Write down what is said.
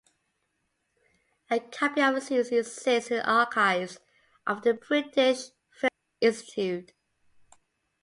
A copy of the series exists in the archives of the British Film Institute.